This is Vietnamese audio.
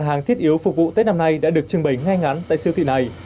các hàng thiết yếu phục vụ tết năm nay đã được trưng bình ngay ngắn tại siêu thị này